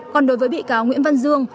còn đối với bị cáo nguyễn văn dương